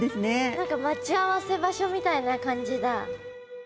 何か待ち合わせ場所みたいな感じだ。